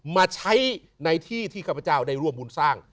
มาใช้ในที่ที่ข้าพเจ้าได้ร่วมบุญสร้าง